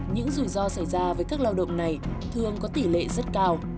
những rủi ro xảy ra với các lao động này thường có tỷ lệ rất cao